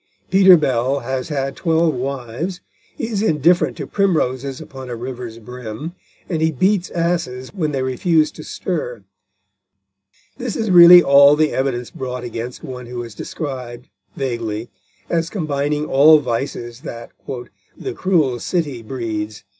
Peter Bell has had twelve wives, he is indifferent to primroses upon a river's brim, and he beats asses when they refuse to stir. This is really all the evidence brought against one who is described, vaguely, as combining all vices that "the cruel city breeds."